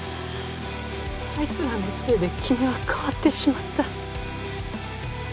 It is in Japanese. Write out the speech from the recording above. あいつらのせいで君は変わってしまった。